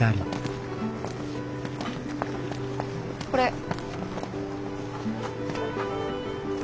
これ。